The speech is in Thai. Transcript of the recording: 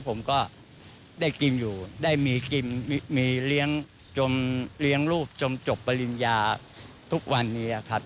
ผมก็ได้กินอยู่ได้มีกินมีเลี้ยงจนเลี้ยงลูกจนจบปริญญาทุกวันนี้ครับ